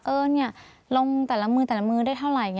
เออนี่ลงของเต่อและมือได้เท่าไหร่